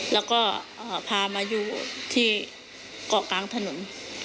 แล้วก็พามาอยู่ที่เกาะกลางถนน